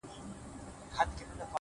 • بيزو وان يې پر تخت كښېناوه پاچا سو,